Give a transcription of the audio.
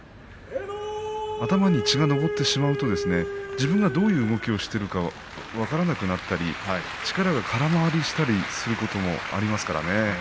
頭に血が上ってしまうと自分がどういう動きをしているか分からなくなったり力が空回りしたりすることもありますからね。